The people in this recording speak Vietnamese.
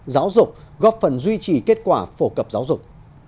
giáo dục góp phần duy trì kết quả phổ cập giáo dục